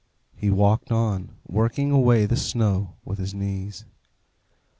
He walked on, working away the snow with his knees.